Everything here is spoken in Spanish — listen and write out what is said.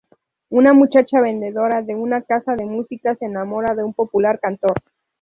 Una muchacha vendedora de una casa de música se enamora de un popular cantor.